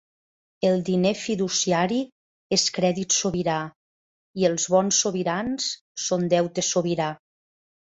El diner fiduciari és crèdit sobirà i els bons sobirans són deute sobirà.